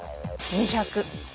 ２００。